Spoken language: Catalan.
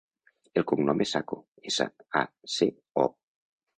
El cognom és Saco: essa, a, ce, o.